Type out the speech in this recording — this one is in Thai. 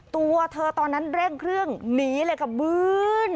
ตัวเธอตอนนั้นเร่งเครื่องหนีเลยกระบือน